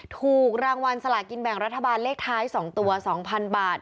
ถูกรางวัลสลากินแบ่งรัฐบาลเลขท้าย๒ตัว๒๐๐๐บาท